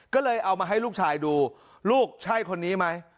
ก็เลยเอามาให้ลูกชายดูลูกใช่คนนี้ไหม